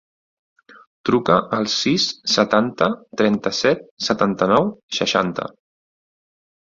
Truca al sis, setanta, trenta-set, setanta-nou, seixanta.